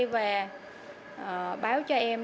và báo cho em